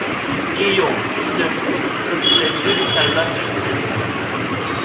Guillaume, tout d'un coup, sentit les yeux de Salvat sur ses yeux.